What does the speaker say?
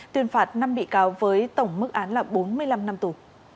tuyên phạt năm bị cáo với tổng mức án là bốn mươi năm năm tù